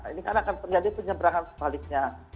ini kan akan terjadi penyeberangan sebaliknya